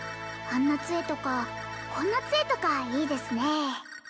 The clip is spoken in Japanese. あんな杖とかこんな杖とかいいですね